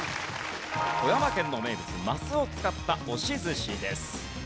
富山県の名物ますを使った押し寿司です。